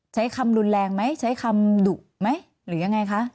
ใช้คำรุนแรงไหมใช้คำดุไหมหรือยังไงคะ